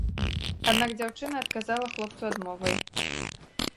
Аднак дзяўчына адказала хлопцу адмовай.